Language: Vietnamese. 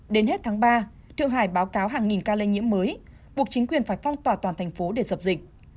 đến hết tháng ba thượng hải báo cáo hàng nghìn ca lây nhiễm mới buộc chính quyền phải phong tỏa toàn thành phố để dập dịch